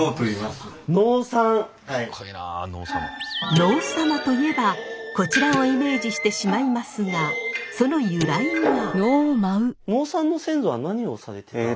能サマといえばこちらをイメージしてしまいますがその由来は？